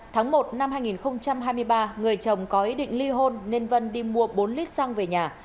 tháng một năm hai nghìn hai mươi ba người chồng có ý định ly hôn nên vân đi mua bốn lít xăng về nhà